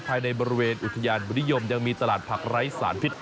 ภายในบริเวณอุทยานบุญนิยมยังมีตลาดผักไร้สารพิษ